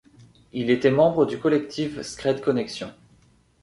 Il était membre du collectif Scred Connexion.